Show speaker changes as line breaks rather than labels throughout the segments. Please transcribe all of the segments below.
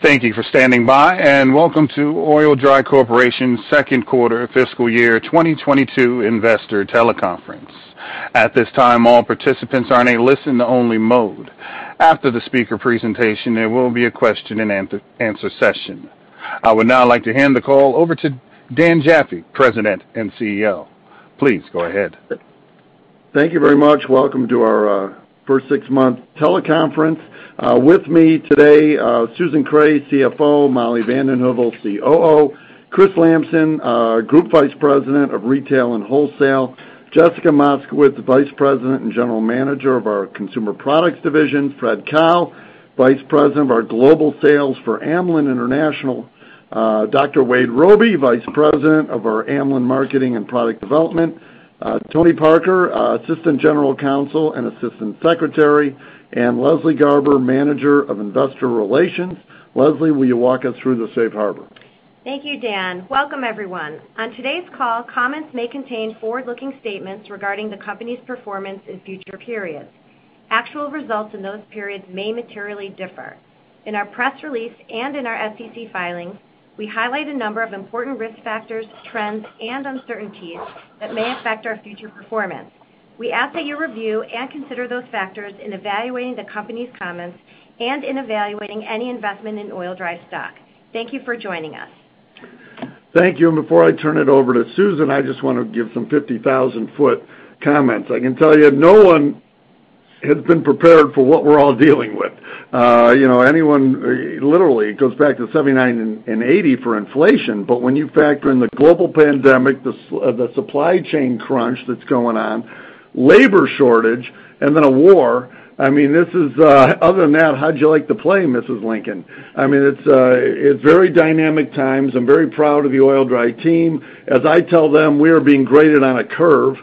Thank you for standing by, and welcome to Oil-Dri Corporation Q2 Fiscal Year 2022 Investor Teleconference. At this time, all participants are in a listen-only mode. After the speaker presentation, there will be a question and answer session. I would now like to hand the call over to Dan Jaffee, President and CEO. Please go ahead.
Thank you very much. Welcome to our first six months teleconference. With me today, Susan M. Kreh, CFO, Molly VandenHeuvel, COO, Chris Lamson, our Group Vice President of Retail and Wholesale, Jessica Moskowitz, Vice President and General Manager of our Consumer Products Division, Fred H. Kao, Vice President of our Global Sales for Amlan International, W. Wade Robey, Vice President of our Amlan Marketing and Product Development, Tony Parker, Vice President, General Counsel & Secretary, and Leslie Garber, Director of Investor Relations. Leslie, will you walk us through the safe harbor?
Thank you, Dan. Welcome, everyone. On today's call, comments may contain forward-looking statements regarding the company's performance in future periods. Actual results in those periods may materially differ. In our press release and in our SEC filings, we highlight a number of important risk factors, trends, and uncertainties that may affect our future performance. We ask that you review and consider those factors in evaluating the company's comments and in evaluating any investment in Oil-Dri stock. Thank you for joining us.
Thank you. Before I turn it over to Susan, I just wanna give some 50,000-foot comments. I can tell you, no one has been prepared for what we're all dealing with. You know, anyone, literally, it goes back to 1979 and 1980 for inflation, but when you factor in the global pandemic, the supply chain crunch that's going on, labor shortage, and then a war, I mean, this is other than that, how'd you like to play, Mrs. Lincoln? I mean, it's very dynamic times. I'm very proud of the Oil-Dri team. As I tell them, we are being graded on a curve,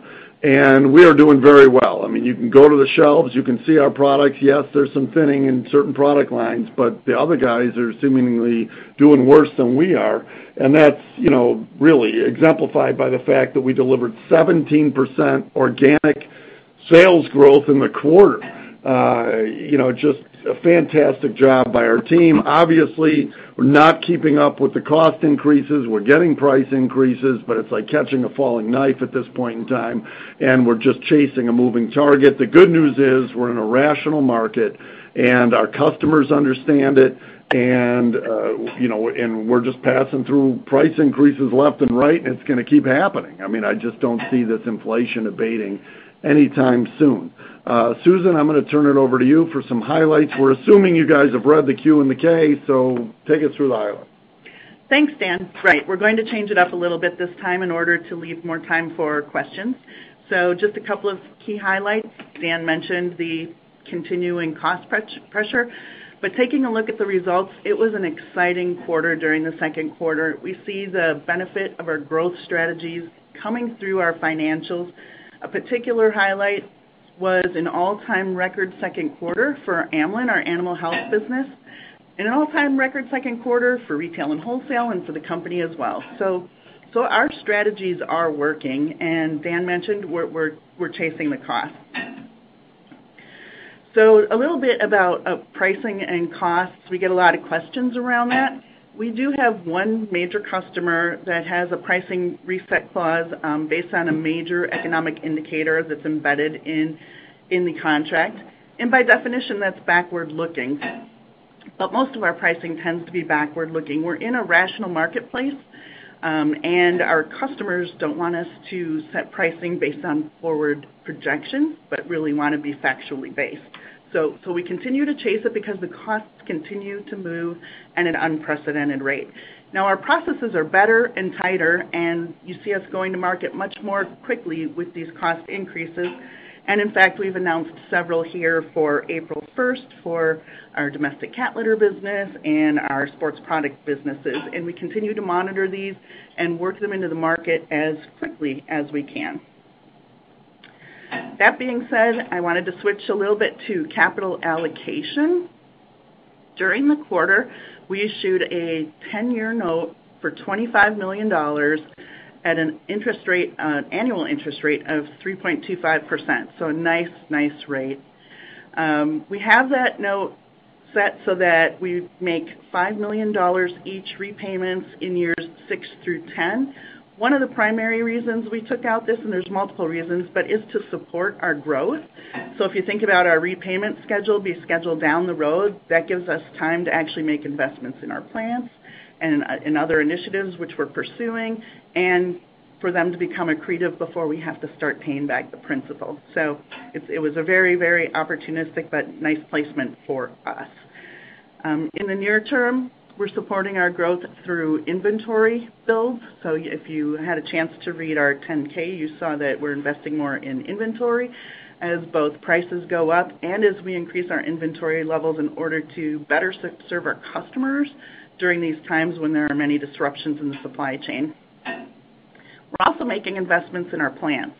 and we are doing very well. I mean, you can go to the shelves, you can see our products. Yes, there's some thinning in certain product lines, but the other guys are seemingly doing worse than we are, and that's, you know, really exemplified by the fact that we delivered 17% organic sales growth in the quarter. You know, just a fantastic job by our team. Obviously, we're not keeping up with the cost increases. We're getting price increases, but it's like catching a falling knife at this point in time, and we're just chasing a moving target. The good news is, we're in a rational market, and our customers understand it, and, you know, and we're just passing through price increases left and right, and it's gonna keep happening. I mean, I just don't see this inflation abating anytime soon. Susan, I'm gonna turn it over to you for some highlights. We're assuming you guys have read the Q and the K, so take us through the highlights.
Thanks, Dan. Right, we're going to change it up a little bit this time in order to leave more time for questions. Just a couple of key highlights. Dan mentioned the continuing cost pressure. Taking a look at the results, it was an exciting quarter during the Q2. We see the benefit of our growth strategies coming through our financials. A particular highlight was an all-time record Q2 for Amlan, our animal health business, an all-time record Q2 for retail and wholesale and for the company as well. Our strategies are working, and Dan mentioned, we're chasing the cost. A little bit about pricing and costs. We get a lot of questions around that. We do have one major customer that has a pricing reset clause, based on a major economic indicator that's embedded in the contract, and by definition, that's backward-looking. Most of our pricing tends to be backward-looking. We're in a rational marketplace, and our customers don't want us to set pricing based on forward projection, but really wanna be factually based. So we continue to chase it because the costs continue to move at an unprecedented rate. Now, our processes are better and tighter, and you see us going to market much more quickly with these cost increases. In fact, we've announced several here for April 1 for our domestic cat litter business and our sports product businesses. We continue to monitor these and work them into the market as quickly as we can. That being said, I wanted to switch a little bit to capital allocation. During the quarter, we issued a 10-year note for $25 million at an interest rate an annual interest rate of 3.25%, so a nice rate. We have that note set so that we make $5 million each repayments in years six through 10. One of the primary reasons we took out this, and there's multiple reasons, but is to support our growth. If you think about our repayment schedule being scheduled down the road, that gives us time to actually make investments in our plans and in other initiatives which we're pursuing, and for them to become accretive before we have to start paying back the principal. It was a very opportunistic but nice placement for us. In the near term, we're supporting our growth through inventory builds. If you had a chance to read our 10-K, you saw that we're investing more in inventory as both prices go up and as we increase our inventory levels in order to better serve our customers during these times when there are many disruptions in the supply chain. We're also making investments in our plants.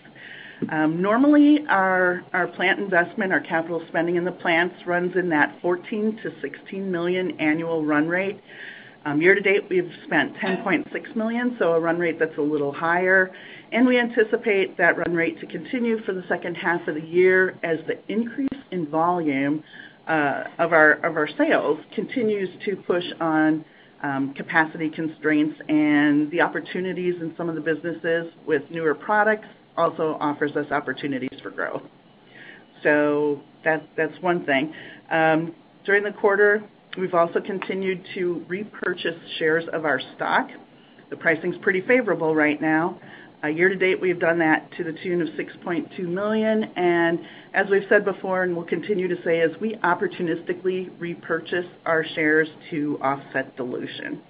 Normally, our plant investment, our capital spending in the plants runs in that $14-16 million annual run rate. Year-to-date, we have spent $10.6 million, so a run rate that's a little higher. We anticipate that run rate to continue for the second half of the year as the increase in volume of our sales continues to push on capacity constraints. The opportunities in some of the businesses with newer products also offers us opportunities for growth. That's one thing. During the quarter, we've also continued to repurchase shares of our stock. The pricing's pretty favorable right now. Year-to-date, we've done that to the tune of $6.2 million. As we've said before, and we'll continue to say, is we opportunistically repurchase our shares to offset dilution.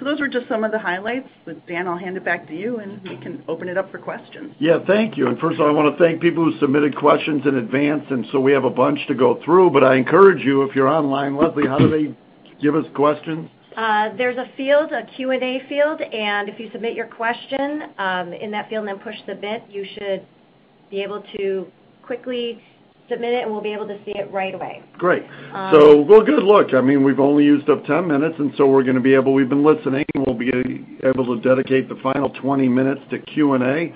Those are just some of the highlights, but Dan, I'll hand it back to you, and we can open it up for questions.
Yeah, thank you. First of all, I wanna thank people who submitted questions in advance, and so we have a bunch to go through, but I encourage you, if you're online, Leslie, how do they give us questions?
There's a field, a Q&A field, and if you submit your question in that field and then push Submit, you should be able to quickly submit it, and we'll be able to see it right away.
Great.
Um-
Well, good luck. I mean, we've only used up 10 minutes, and so, we've been listening, we'll be able to dedicate the final 20 minutes to Q&A.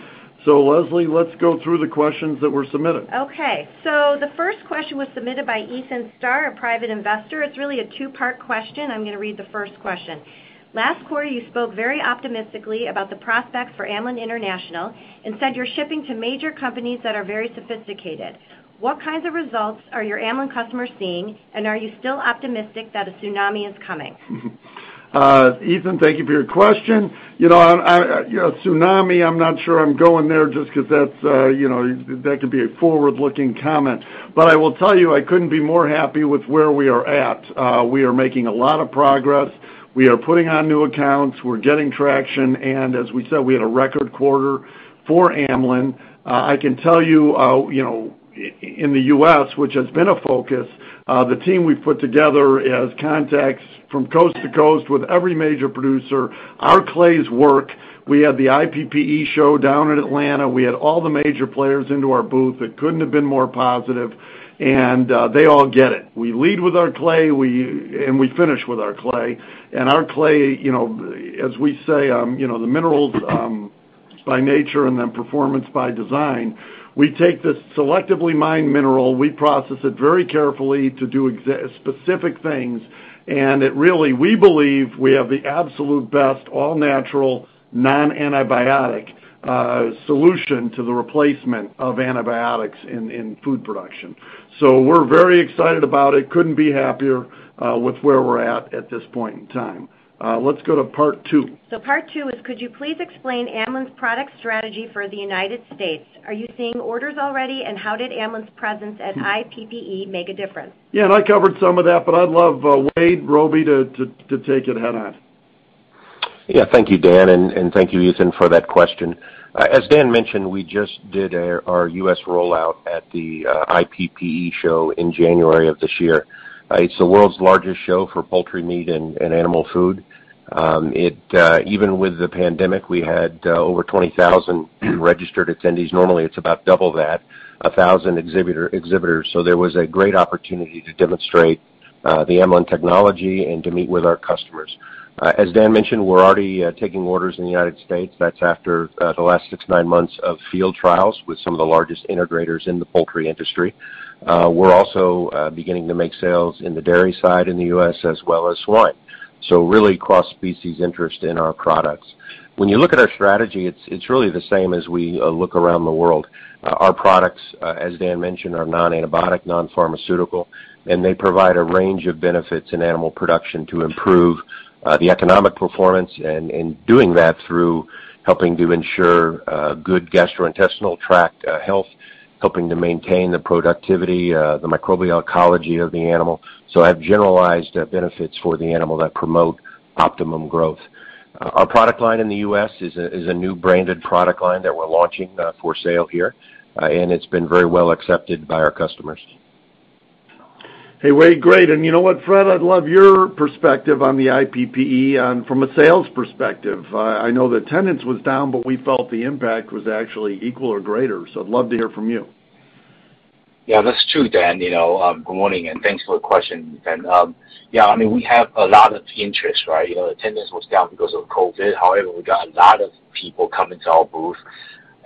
Leslie, let's go through the questions that were submitted.
Okay. The first question was submitted by Ethan Starr, a private investor. It's really a two-part question. I'm gonna read the first question. Last quarter, you spoke very optimistically about the prospects for Amlan International and said you're shipping to major companies that are very sophisticated. What kinds of results are your Amlan customers seeing, and are you still optimistic that a tsunami is coming?
Ethan, thank you for your question. You know, You know, tsunami, I'm not sure I'm going there just 'cause that's, you know, that could be a forward-looking comment. I will tell you, I couldn't be more happy with where we are at. We are making a lot of progress. We are putting on new accounts. We're getting traction. As we said, we had a record quarter for Amlan. I can tell you know, in the U.S., which has been a focus, the team we've put together has contacts from coast to coast with every major producer. Our clays work. We had the IPPE show down in Atlanta. We had all the major players into our booth. It couldn't have been more positive, and they all get it. We lead with our clay, and we finish with our clay. Our clay, you know, as we say, you know, the minerals by nature and then performance by design, we take this selectively mined mineral, we process it very carefully to do specific things. We believe we have the absolute best all natural, non-antibiotic solution to the replacement of antibiotics in food production. We're very excited about it. Couldn't be happier with where we're at this point in time. Let's go to part two.
Part two is, could you please explain Amlan's product strategy for the United States? Are you seeing orders already, and how did Amlan's presence at IPPE make a difference?
Yeah, I covered some of that, but I'd love Wade Robey to take it head on.
Yeah. Thank you, Dan, and thank you, Ethan, for that question. As Dan mentioned, we just did our U.S. rollout at the IPPE show in January of this year. It's the world's largest show for poultry, meat, and animal food. Even with the pandemic, we had over 20,000 registered attendees. Normally, it's about double that, 1,000 exhibitors. There was a great opportunity to demonstrate the Amlan technology and to meet with our customers. As Dan mentioned, we're already taking orders in the United States. That's after the last six to nine months of field trials with some of the largest integrators in the poultry industry. We're also beginning to make sales in the dairy side in the U.S. as well as swine, so really cross-species interest in our products. When you look at our strategy, it's really the same as we look around the world. Our products, as Dan mentioned, are non-antibiotic, non-pharmaceutical, and they provide a range of benefits in animal production to improve the economic performance, and doing that through helping to ensure good gastrointestinal tract health, helping to maintain the productivity, the microbial ecology of the animal have generalized benefits for the animal that promote optimum growth. Our product line in the U.S. is a new branded product line that we're launching for sale here, and it's been very well accepted by our customers.
Hey, Wade. Great. You know what, Fred? I'd love your perspective on the IPPE from a sales perspective. I know the attendance was down, but we felt the impact was actually equal or greater. I'd love to hear from you.
Yeah, that's true, Dan. You know, good morning, and thanks for the question. Yeah, I mean, we have a lot of interest, right? You know, attendance was down because of COVID. However, we got a lot of people coming to our booth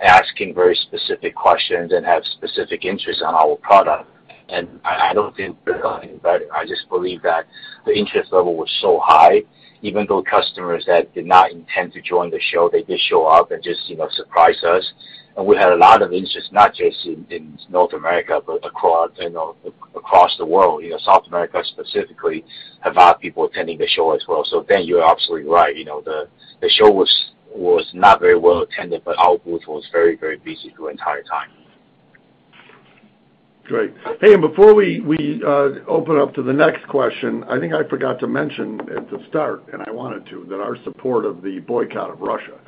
asking very specific questions and have specific interest on our product. I don't think they're going, but I just believe that the interest level was so high, even though customers that did not intend to join the show, they did show up and just, you know, surprised us. We had a lot of interest, not just in North America, but across, you know, across the world. You know, South America specifically have a lot of people attending the show as well. Dan, you're absolutely right.
You know, the show was not very well attended, but our booth was very busy the entire time.
Great. Hey, before we open up to the next question, I think I forgot to mention at the start that our support of the boycott of Russia.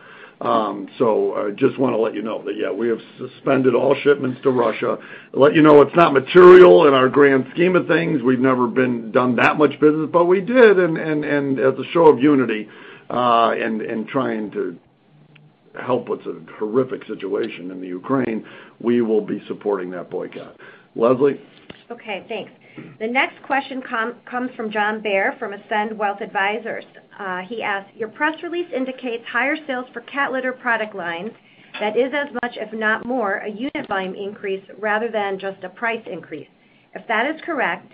So I just wanna let you know that we have suspended all shipments to Russia. Let you know it's not material in our grand scheme of things. We've never done that much business, but we did. As a show of unity and trying to help with the horrific situation in Ukraine, we will be supporting that boycott. Leslie?
Okay, thanks. The next question comes from John Bair from Ascend Wealth Advisors. He asks, "Your press release indicates higher sales for cat litter product lines that is as much, if not more, a unit volume increase rather than just a price increase. If that is correct,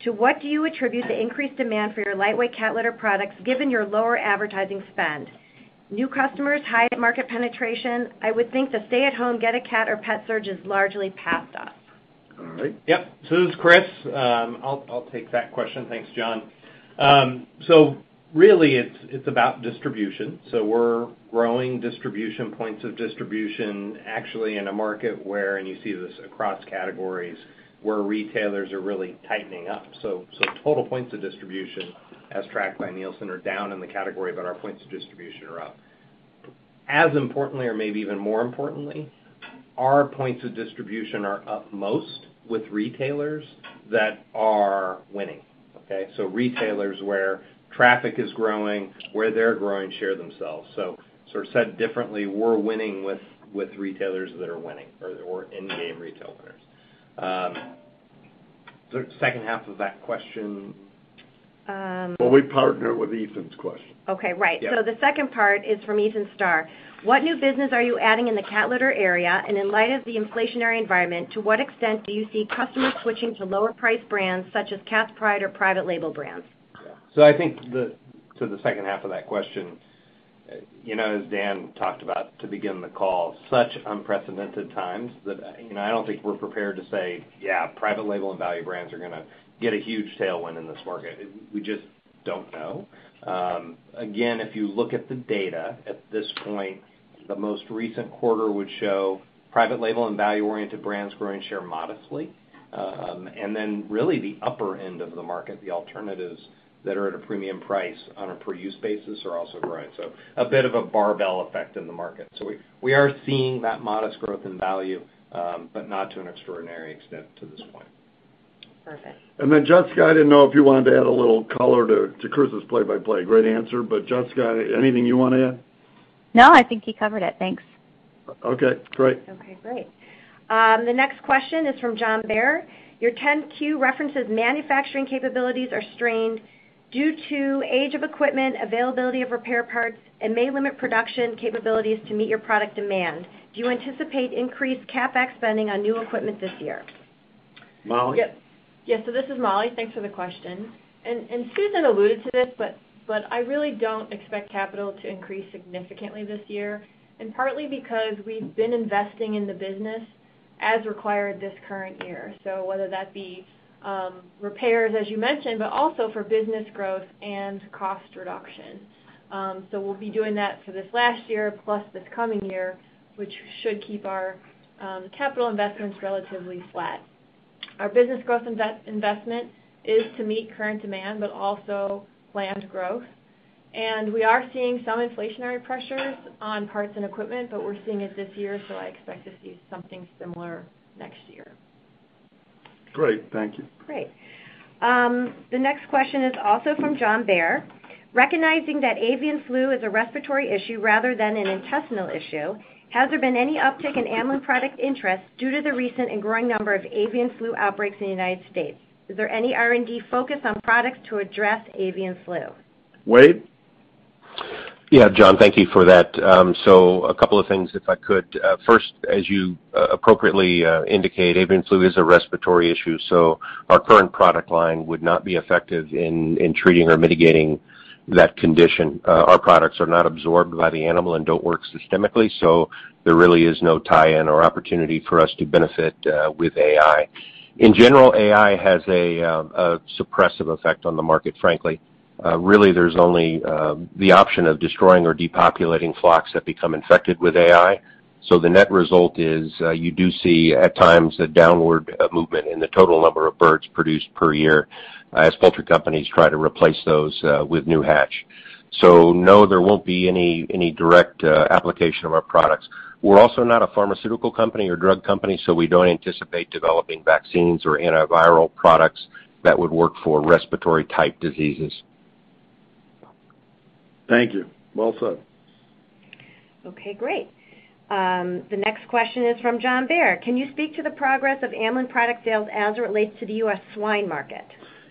to what do you attribute the increased demand for your lightweight cat litter products given your lower advertising spend? New customers, high market penetration? I would think the stay-at-home, get-a-cat or pet surge is largely past us.
All right.
Yep. This is Chris. I'll take that question. Thanks, John. Really, it's about distribution. We're growing distribution, points of distribution, actually in a market where, and you see this across categories, where retailers are really tightening up. Total points of distribution as tracked by Nielsen are down in the category, but our points of distribution are up. As importantly, or maybe even more importantly, our points of distribution are up most with retailers that are winning, okay? Retailers where traffic is growing, where they're growing share themselves. Sort of said differently, we're winning with retailers that are winning or end-game retail winners. Second half of that question.
Um-
Well, we partner with Ethan Starr's question.
Okay, right.
Yeah.
The second part is from Ethan Starr: What new business are you adding in the cat litter area? In light of the inflationary environment, to what extent do you see customers switching to lower priced brands such as Cat's Pride or private label brands?
I think the second half of that question, you know, as Dan talked about to begin the call, such unprecedented times that, you know, I don't think we're prepared to say, "Yeah, private label and value brands are gonna get a huge tailwind in this market." We just don't know. Again, if you look at the data at this point, the most recent quarter would show private label and value-oriented brands growing share modestly. Really the upper end of the market, the alternatives that are at a premium price on a per use basis are also growing. A bit of a barbell effect in the market. We are seeing that modest growth in value, but not to an extraordinary extent to this point.
Perfect.
Jessica Moskowitz, I didn't know if you wanted to add a little color to Chris Lamson's play-by-play. Great answer, but Jessica Moskowitz, anything you wanna add?
No, I think he covered it. Thanks.
Okay, great.
Okay, great. The next question is from John Bair. Your 10-Q references that manufacturing capabilities are strained due to age of equipment, availability of repair parts, and may limit production capabilities to meet your product demand. Do you anticipate increased CapEx spending on new equipment this year?
Molly?
Yep. Yeah, this is Molly. Thanks for the question. Susan alluded to this, but I really don't expect capital to increase significantly this year, and partly because we've been investing in the business as required this current year. Whether that be repairs, as you mentioned, but also for business growth and cost reduction. We'll be doing that for this last year plus this coming year, which should keep our capital investments relatively flat. Our business growth investment is to meet current demand, but also planned growth. We are seeing some inflationary pressures on parts and equipment, but we're seeing it this year, so I expect to see something similar next year.
Great. Thank you.
Great. The next question is also from John Bair. Recognizing that avian flu is a respiratory issue rather than an intestinal issue, has there been any uptick in Amlan product interest due to the recent and growing number of avian flu outbreaks in the United States? Is there any R&D focus on products to address avian flu?
Wade?
Yeah, John, thank you for that. So a couple of things, if I could. First, as you appropriately indicate, avian flu is a respiratory issue, so our current product line would not be effective in treating or mitigating that condition. Our products are not absorbed by the animal and don't work systemically, so there really is no tie-in or opportunity for us to benefit with AI. In general, AI has a suppressive effect on the market, frankly. Really, there's only the option of destroying or depopulating flocks that become infected with AI. The net result is you do see at times a downward movement in the total number of birds produced per year as poultry companies try to replace those with new hatch. No, there won't be any direct application of our products. We're also not a pharmaceutical company or drug company, so we don't anticipate developing vaccines or antiviral products that would work for respiratory-type diseases.
Thank you. Well said.
Okay, great. The next question is from John Bair. Can you speak to the progress of Amlan product sales as it relates to the U.S. swine market?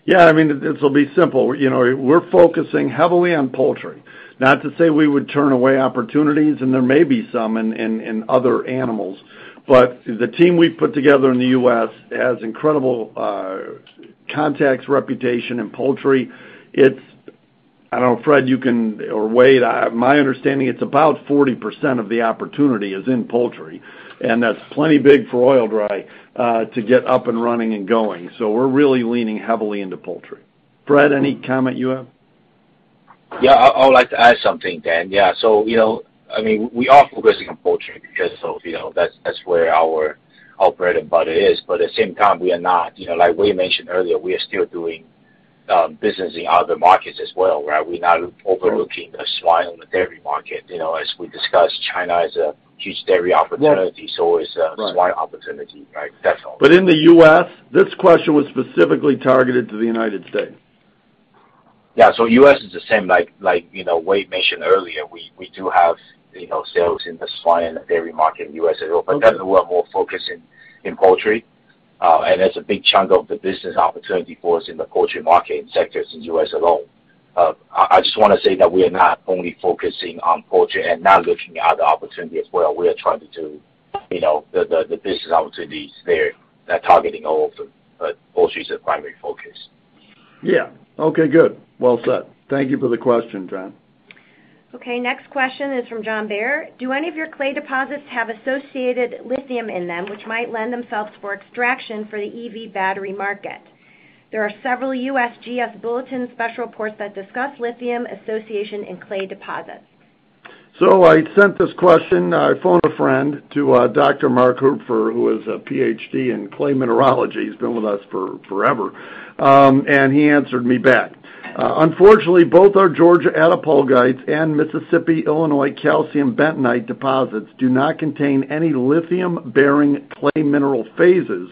Yeah, I mean, this'll be simple. You know, we're focusing heavily on poultry. Not to say we would turn away opportunities, and there may be some in other animals. The team we've put together in the U.S. has incredible contacts, reputation in poultry. It's I don't know, Fred, you can or Wade, my understanding, it's about 40% of the opportunity is in poultry, and that's plenty big for Oil-Dri to get up and running and going. We're really leaning heavily into poultry. Fred, any comment you have?
Yeah, I would like to add something, Dan. Yeah. You know, I mean, we are focusing on poultry just so, you know, that's where our bread and butter is. But at the same time, we are not, you know, like Wade mentioned earlier, we are still doing business in other markets as well, right? We're not overlooking the swine and the dairy market. You know, as we discussed, China is a huge dairy opportunity.
Yeah.
-so is, uh-
Right.
swine opportunity, right? That's all.
In the U.S., this question was specifically targeted to the United States.
Yeah. U.S. is the same like, you know, Wade mentioned earlier. We do have, you know, sales in the swine and dairy market in U.S. as well. That's a lot more focus in poultry. That's a big chunk of the business opportunity for us in the poultry market and sectors in U.S. alone. I just wanna say that we are not only focusing on poultry and not looking at other opportunity as well. We are trying to do, you know, the business opportunities there. They're targeting all of the poultry is a primary focus.
Yeah. Okay, good. Well said. Thank you for the question, John.
Okay, next question is from John Bair. Do any of your clay deposits have associated lithium in them, which might lend themselves for extraction for the EV battery market? There are several USGS bulletin special reports that discuss lithium association in clay deposits.
I sent this question, I phoned a friend, to Dr. Mark Hupfer, who is a Ph.D. in clay mineralogy. He's been with us for forever. He answered me back. "Unfortunately, both our Georgia attapulgite and Mississippi, Illinois calcium bentonite deposits do not contain any lithium-bearing clay mineral phases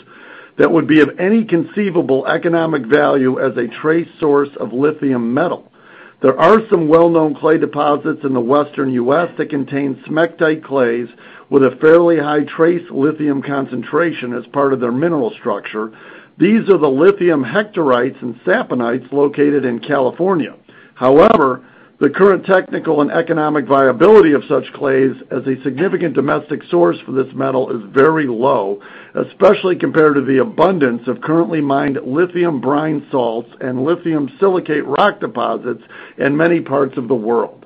that would be of any conceivable economic value as a trace source of lithium metal. There are some well-known clay deposits in the Western U.S. that contain smectite clays with a fairly high trace lithium concentration as part of their mineral structure. These are the lithium hectorite and saponite located in California. However, the current technical and economic viability of such clays as a significant domestic source for this metal is very low, especially compared to the abundance of currently mined lithium brine salts and lithium silicate rock deposits in many parts of the world."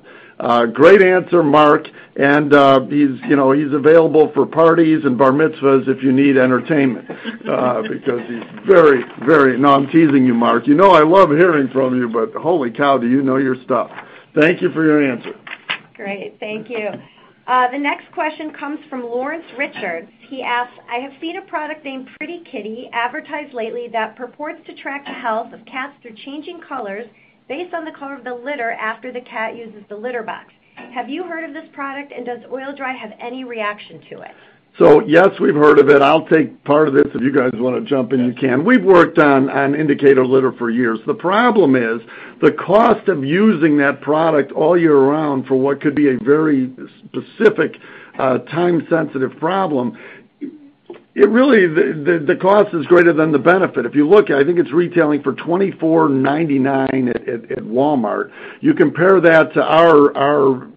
Great answer, Mark, and he's available for parties and bar mitzvahs if you need entertainment, because he's very. No, I'm teasing you, Mark. You know I love hearing from you, but holy cow, do you know your stuff. Thank you for your answer.
Great. Thank you. The next question comes from Larry Richards. He asks, "I have seen a product named PrettyLitter advertised lately that purports to track the health of cats through changing colors based on the color of the litter after the cat uses the litter box. Have you heard of this product, and does Oil-Dri have any reaction to it?
Yes, we've heard of it. I'll take part of this. If you guys wanna jump in, you can. We've worked on indicator litter for years. The problem is the cost of using that product all year round for what could be a very specific time-sensitive problem. The cost is greater than the benefit. If you look, I think it's retailing for $24.99 at Walmart. You compare that to our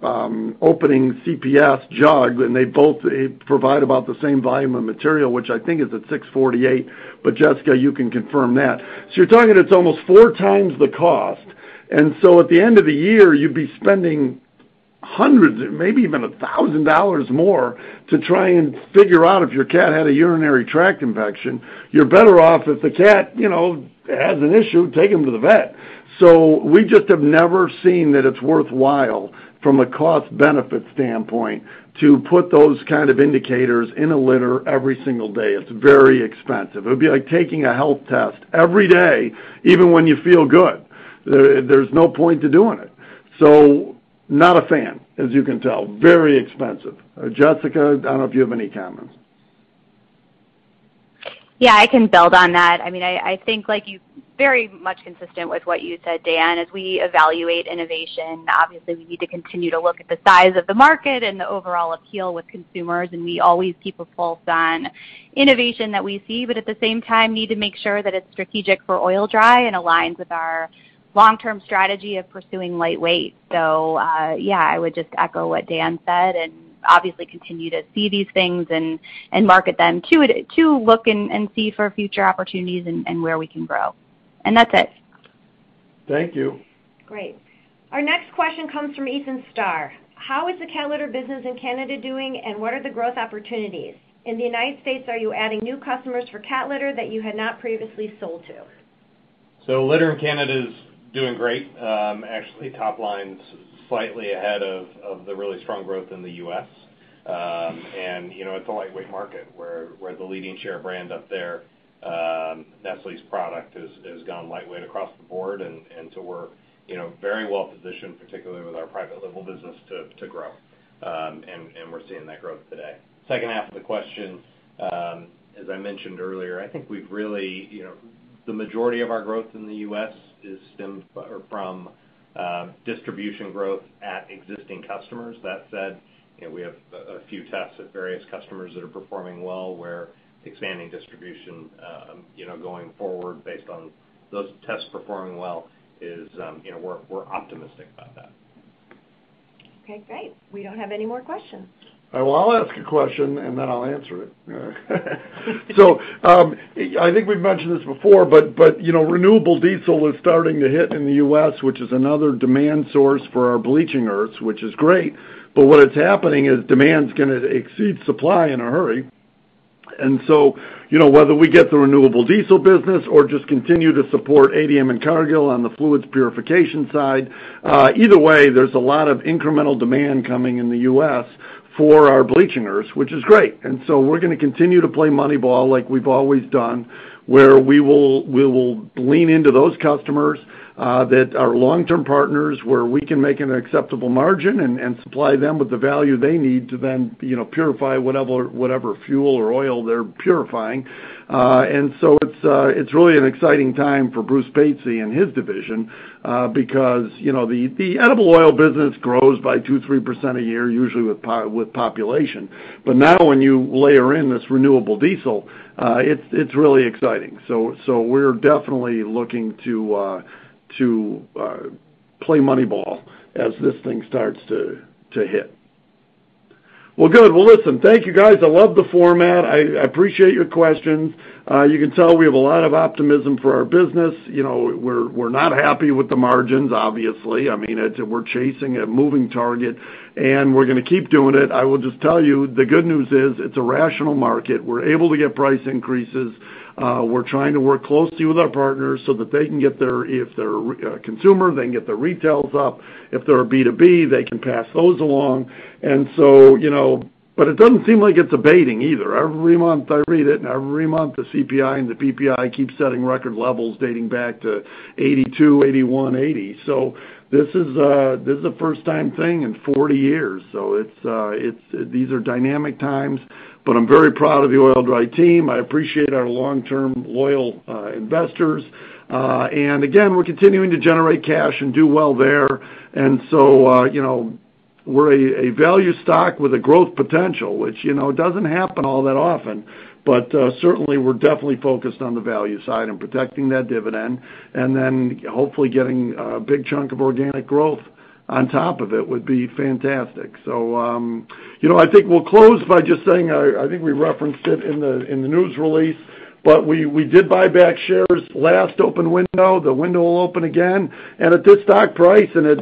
Cat's Pride jug, and they both provide about the same volume of material, which I think is at $6.48, but Jessica, you can confirm that. You're talking, it's almost 4x the cost. At the end of the year, you'd be spending hundreds or maybe even a thousand dollars more to try and figure out if your cat had a urinary tract infection. You're better off if the cat, you know, has an issue, take him to the vet. We just have never seen that it's worthwhile from a cost-benefit standpoint to put those kind of indicators in a litter every single day. It's very expensive. It would be like taking a health test every day, even when you feel good. There's no point to doing it. Not a fan, as you can tell. Very expensive. Jessica, I don't know if you have any comments.
Yeah, I can build on that. I mean, I think, like you, very much consistent with what you said, Dan. As we evaluate innovation, obviously, we need to continue to look at the size of the market and the overall appeal with consumers, and we always keep a pulse on innovation that we see, but at the same time, need to make sure that it's strategic for Oil-Dri and aligns with our long-term strategy of pursuing lightweight. Yeah, I would just echo what Dan said, and obviously continue to see these things and market them to look and see for future opportunities and where we can grow. That's it.
Thank you.
Great. Our next question comes from Ethan Starr. How is the cat litter business in Canada doing, and what are the growth opportunities? In the United States, are you adding new customers for cat litter that you had not previously sold to?
Litter in Canada is doing great. Actually, top line's slightly ahead of the really strong growth in the U.S. You know, it's a lightweight market. We're the leading share brand up there. Nestlé's product has gone lightweight across the board, and so we're, you know, very well positioned, particularly with our private label business, to grow. We're seeing that growth today. Second half of the question, as I mentioned earlier, I think we've really, you know, the majority of our growth in the U.S. is from distribution growth at existing customers. That said, you know, we have a few tests at various customers that are performing well. We're expanding distribution, you know, going forward based on those tests performing well. You know, we're optimistic about that.
Okay, great. We don't have any more questions.
Well, I'll ask a question, and then I'll answer it. I think we've mentioned this before, but, you know, renewable diesel is starting to hit in the U.S., which is another demand source for our bleaching earths, which is great. What is happening is demand's gonna exceed supply in a hurry. You know, whether we get the renewable diesel business or just continue to support ADM and Cargill on the fluids purification side, either way, there's a lot of incremental demand coming in the U.S. for our bleaching earths, which is great. We're gonna continue to play Moneyball like we've always done, where we will lean into those customers that are long-term partners, where we can make an acceptable margin and supply them with the value they need to then, you know, purify whatever fuel or oil they're purifying. It's really an exciting time for Bruce Patsey and his division, because, you know, the edible oil business grows by 2%-3% a year, usually with population. Now when you layer in this renewable diesel, it's really exciting. We're definitely looking to play Moneyball as this thing starts to hit. Well, good. Well, listen. Thank you, guys. I love the format. I appreciate your questions. You can tell we have a lot of optimism for our business. You know, we're not happy with the margins, obviously. I mean, we're chasing a moving target, and we're gonna keep doing it. I will just tell you the good news is it's a rational market. We're able to get price increases. We're trying to work closely with our partners so that if they're a consumer, they can get their retail up. If they're a B2B, they can pass those along. You know, it doesn't seem like it's abating either. Every month I read it, and every month, the CPI and the PPI keep setting record levels dating back to 1982, 1981, 1980. This is a first-time thing in 40 years, so it's. These are dynamic times, but I'm very proud of the Oil-Dri team. I appreciate our long-term, loyal investors. Again, we're continuing to generate cash and do well there. You know, we're a value stock with a growth potential, which, you know, doesn't happen all that often. Certainly, we're definitely focused on the value side and protecting that dividend and then hopefully getting a big chunk of organic growth on top of it would be fantastic. I think we'll close by just saying, I think we referenced it in the news release, but we did buy back shares last open window. The window will open again. At this stock price and at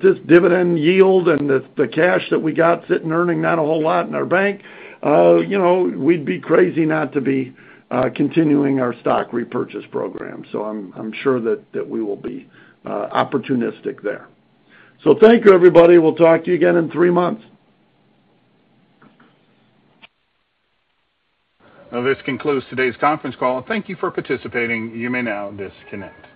this dividend yield and the cash that we got sitting earning not a whole lot in our bank, you know, we'd be crazy not to be continuing our stock repurchase program. I'm sure that we will be opportunistic there. Thank you, everybody. We'll talk to you again in three months.
Now, this concludes today's conference call. Thank you for participating. You may now disconnect.